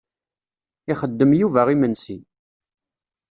Ixeddem Yuba imensi.